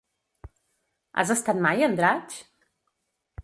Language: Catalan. Has estat mai a Andratx?